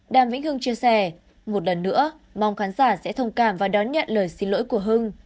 đàm vĩnh hưng chia sẻ một lần nữa mong khán giả sẽ thông cảm và đón nhận lời xin lỗi của hưng